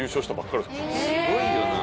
すごいよな。